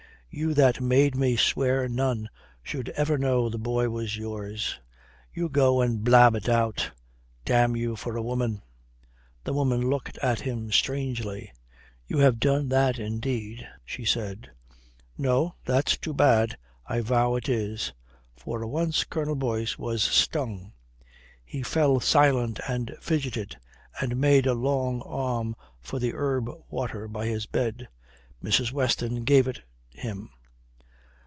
You that made me swear none should ever know the boy was yours. You go and blab it out! Damn you for a woman." The woman looked at him strangely. "You have done that indeed," she said. "No, that's too bad. I vow it is." For once Colonel Boyce was stung. He fell silent and fidgeted, and made a long arm for the herb water by his bed. Mrs. Weston gave it him.